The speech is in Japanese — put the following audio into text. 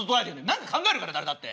何か考えるから誰だって。